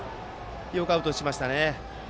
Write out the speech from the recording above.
よくアウトにしましたね。